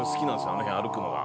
あの辺歩くのが。